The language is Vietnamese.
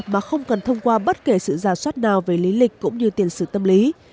mà không cần thông qua bất kể sự giả soát nào về lý lịch cũng như tiền sự tâm lý